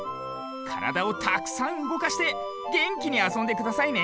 からだをたくさんうごかしてげんきにあそんでくださいね！